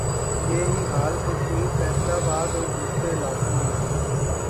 یہ ہی حال کشمیر، فیصل آباد اور دوسرے علاقوں میں ھے